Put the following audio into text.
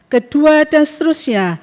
kedua dan seterusnya